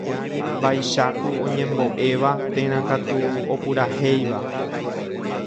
vaicháku oñembo'éva térã katu opurahéiva.